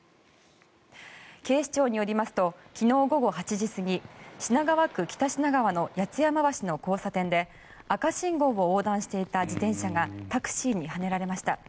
警視庁によりますと昨日午後８時過ぎ品川区北品川の八ツ山橋の交差点で赤信号を横断していた自転車がタクシーにはねられました。